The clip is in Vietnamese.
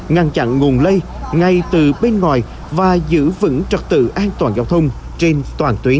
ngăn chặn nguồn lây ngay từ bên ngoài và giữ vững trật tự an toàn giao thông trên toàn tuyến